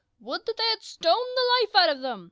" Would that they had stoned the life out of them